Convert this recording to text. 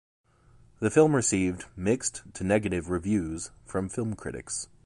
The film received mixed to negative reviews from film critics.